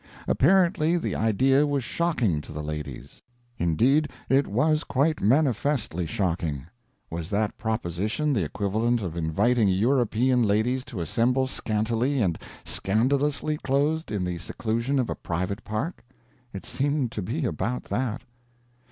Apparently, the idea was shocking to the ladies indeed, it was quite manifestly shocking. Was that proposition the equivalent of inviting European ladies to assemble scantily and scandalously clothed in the seclusion of a private park? It seemed to be about that.